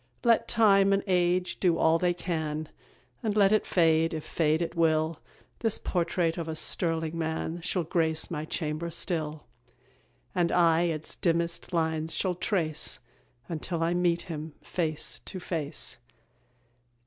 Let time and age do all they can, And let it fade, if fade it will, This portrait of a sterling man Shall grace my chamber still; And I its dimmest lines shall trace, Until I meet him face to face.